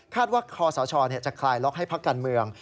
ว่าคอสชจะคลายล็อกให้พักการเมือง